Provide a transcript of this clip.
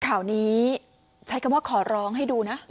ข่าวนี้ใช้คำว่าขอร้องให้ดูนะ